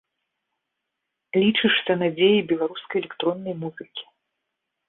Лічышся надзеяй беларускай электроннай музыкі.